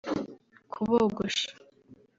kubogosha